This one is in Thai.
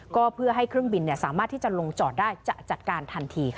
ก็เพื่อให้เครื่องบินสามารถที่จะลงจอดได้จะจัดการทันทีค่ะ